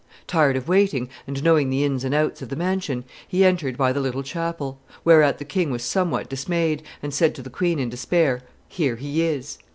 Tired of waiting, and knowing the ins and outs of the mansion, he entered by the little chapel; whereat the king was somewhat dismayed, and said to the queen in despair, 'Here he is!